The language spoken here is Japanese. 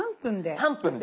３分で。